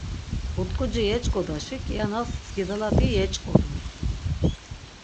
But̆k̆uci yeç̆k̆odaşi kianas skidalati yeç̆k̆odun.